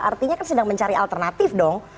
artinya kan sedang mencari alternatif dong